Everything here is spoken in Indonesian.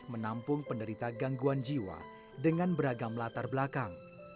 menampung penderita gangguan jiwa dengan beragam latar belakang